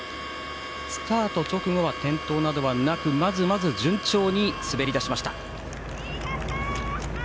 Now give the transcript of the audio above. スタート直後は転倒などはなくまずまず順調に滑り出しました。